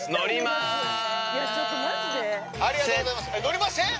乗りません！？